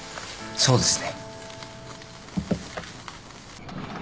そうですね。